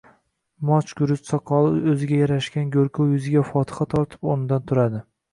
mosh-guruch soqoli o'ziga yarashgan go'rkov yuziga fotiha tortib o'rnidan turadi: